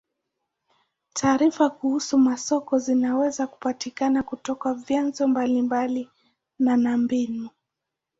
Taarifa kuhusu masoko zinaweza kupatikana kutoka vyanzo mbalimbali na na mbinu.